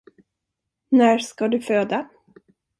När ska du föda?